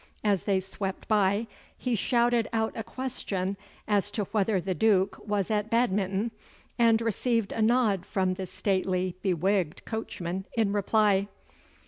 As they swept by he shouted out a question as to whether the Duke was at Badminton, and received a nod from the stately bewigged coachman in reply.